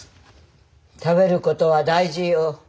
食べることは大事よ。